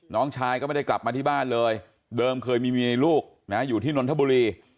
น้องชายก็ไม่ได้กลับมาที่บ้านเลยเดิมเคยมีเมียลูกนะอยู่ที่นนทบุรี